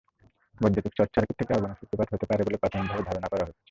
বৈদ্যুতিক শর্টসার্কিট থেকে আগুনের সূত্রপাত হতে পারে বলে প্রাথমিকভাবে ধারণা করা হচ্ছে।